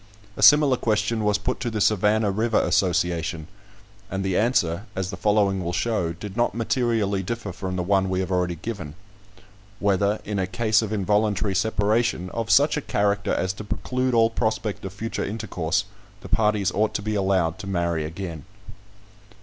A similar question was put to the "Savannah River Association," and the answer, as the following will show, did not materially differ from the one we have already given: "Whether, in a case of involuntary separation, of such a character as to preclude all prospect of future intercourse, the parties ought to be allowed to marry again."